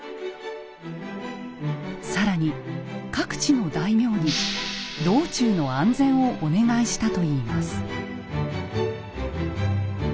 更に各地の大名にも道中の安全をお願いしたといいます。